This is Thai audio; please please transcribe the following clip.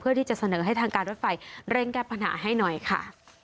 ที่จะเสนอให้ทางการรถไฟเร่งแก้ปัญหาให้หน่อยค่ะ